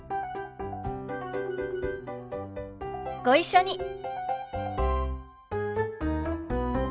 ご一緒に。